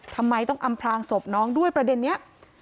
ทำไมต้องอำพลางศพน้องด้วยประเด็นนี้